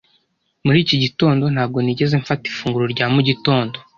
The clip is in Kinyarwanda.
Muri iki gitondo, ntabwo nigeze mfata ifunguro rya mu gitondo.